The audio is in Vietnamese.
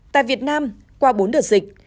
tại việt nam qua bốn đợt dịch